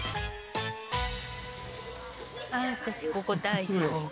私ここ大好き！